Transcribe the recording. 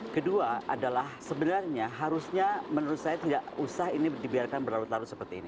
kedua adalah sebenarnya harusnya menurut saya tidak usah ini dibiarkan berlarut larut seperti ini